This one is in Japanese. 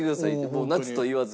もう夏と言わず。